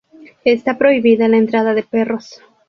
Está prohibida la entrada de perros.